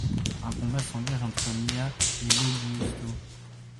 Un combat s'engage entre Mia et Lo Giusto.